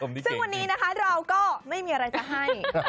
ถูกต้องค่ะซึ่งวันนี้นะคะเราก็ไม่มีอะไรจะให้